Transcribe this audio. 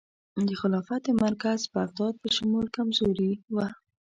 د خلافت د مرکز بغداد په شمول کمزوري وه.